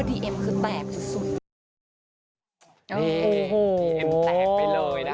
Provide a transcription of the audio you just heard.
เน้นดีเอ็ม้แป่งไปเลยนะ